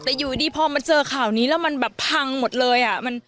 แต่อยู่ดีพอมันเจอข่าวนี้แล้วมันแบบพังหมดเลย